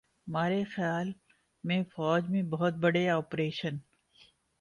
مارے خیال میں فوج میں بہت بڑے آپریشن